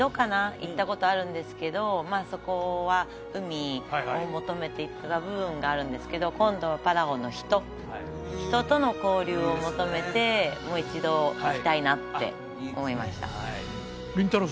行ったことあるんですけどまあそこは海を求めて行ってた部分があるんですけど今度はパラオの人人との交流を求めてもう一度行きたいなって思いましたりんたろー。